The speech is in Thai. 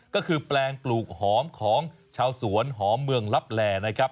ก็คือแปลงปลูกหอมของชาวสวนหอมเมืองลับแลนะครับ